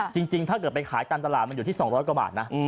จริงถ้าเกิดไปขายตามตลาดมันอยู่ที่๒๐๐กว่าบาทนะ